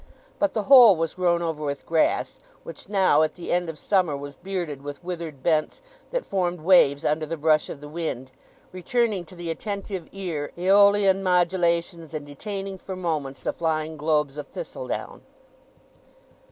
But the whole was grown over with grass, which now, at the end of summer, was bearded with withered bents that formed waves under the brush of the wind, returning to the attentive ear Æolian modulations, and detaining for moments the flying globes of thistledown.